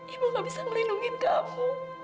ibu gak bisa melindungi kamu